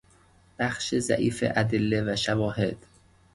بخش ضعیف ادله و شواهد